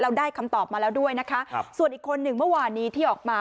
ได้คำตอบมาแล้วด้วยนะคะครับส่วนอีกคนหนึ่งเมื่อวานนี้ที่ออกมา